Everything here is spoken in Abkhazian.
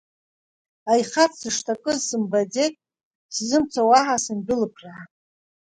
Аихац сышҭакыз сымбаӡеит, сзымцо уаҳа сындәылԥраа.